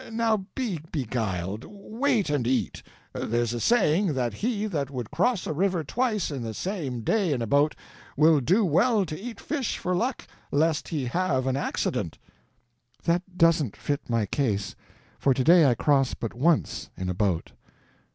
Now be beguiled—wait and eat. There's a saying that he that would cross a river twice in the same day in a boat, will do well to eat fish for luck, lest he have an accident." "That doesn't fit my case, for to day I cross but once in a boat."